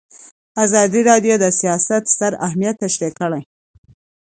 ازادي راډیو د سیاست ستر اهميت تشریح کړی.